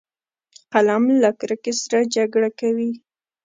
قلم له کرکې سره جګړه کوي